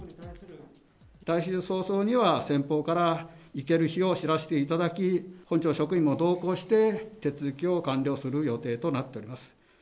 来週早々には、先方から行ける日を知らせていただき、本町職員も同行して、手続きを完了する予定となっております。